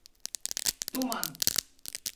Туман.